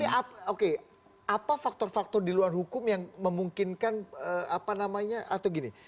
oke apa faktor faktor di luar hukum yang memungkinkan apa namanya atau gini